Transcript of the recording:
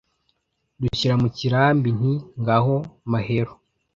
Dushyira mu kirambi Nti: ngaho Mahero